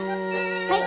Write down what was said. はい！